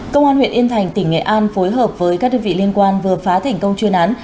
công an huyện yên thành tỉnh nghệ an phối hợp với các đơn vị liên quan vừa phá thành công chuyên án